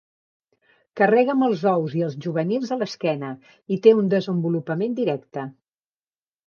Carrega amb els ous i els juvenils a l'esquena i té un desenvolupament directe.